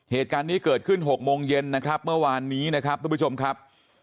เหตุการณ์นี้เกิดขึ้น๖โมงเย็นนะครับเมื่อวานนี้นะครับทุกผู้ชมครับ